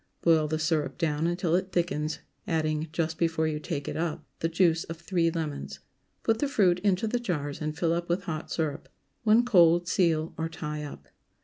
Boil the syrup down until it thickens, adding, just before you take it up, the juice of three lemons. Put the fruit into the jars and fill up with hot syrup. When cold, seal or tie up.